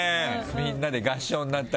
みんなで合唱になったり。